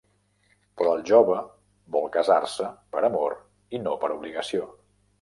Però el jove vol casar-se per amor i no per obligació.